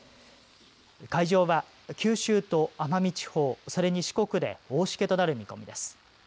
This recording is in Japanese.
海上は九州と奄美地方それに四国で大しけとなる見込みです。